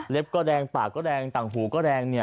ก็แรงปากก็แรงต่างหูก็แรงเนี่ย